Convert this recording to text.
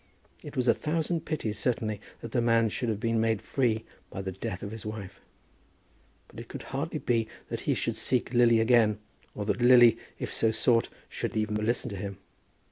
It was a thousand pities, certainly, that the man should have been made free by the death of his wife. But it could hardly be that he should seek Lily again, or that Lily, if so sought, should even listen to him.